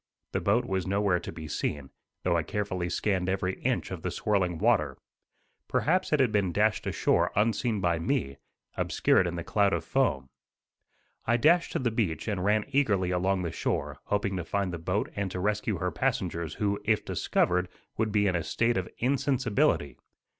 The boat was nowhere to be seen, though I carefully scanned every inch of the swirling water. Perhaps it had been dashed ashore unseen by me, obscured in the cloud of foam. I dashed to the beach and ran eagerly along the shore, hoping to find the boat and to rescue her passengers who, if discovered, would be in a state of insensibility.